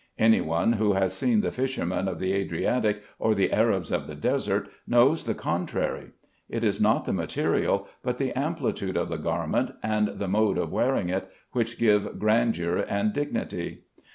Any one who has seen the fishermen of the Adriatic or the Arabs of the desert, knows the contrary. It is not the material, but the amplitude of the garment and the mode of wearing it, which give grandeur and dignity.